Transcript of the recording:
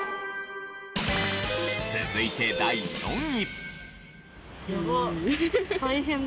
続いて第４位。